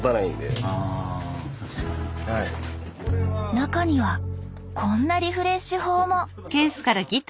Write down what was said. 中にはこんなリフレッシュ法も！